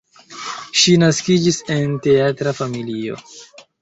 Ŝi naskiĝis en teatra familio.